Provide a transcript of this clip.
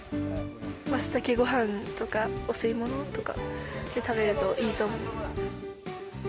マツタケごはんとかお吸い物とかで食べるといいと思う。